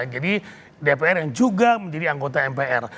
jadi dpr yang juga menjadi anggota mpr